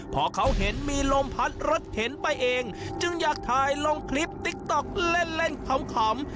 พอเขาเห็นมีลมพัดรถเข็นไปเองจึงอยากถ่ายลงคลิปติ๊กต๊อกเล่นเล่นขำ